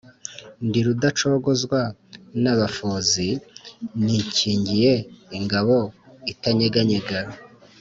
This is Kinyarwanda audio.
Ndi Rudacogozwa n'abafozi, nikingiye ingabo itanyeganyega.